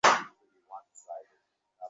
চকোরী যে আজ চাঁদকে ছাড়িয়া মেঘের দরবারে!